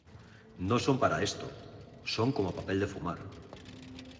no son para esto, son como papel de fumar.